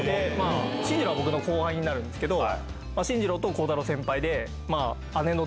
進次郎は僕の後輩になるんですけど進次郎と孝太郎先輩で。